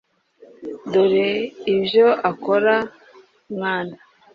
dore ibyo ukora mwana